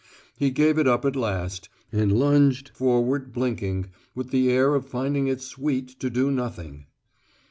He gave it up at last, and lounged forward blinking, with the air of finding it sweet to do nothing.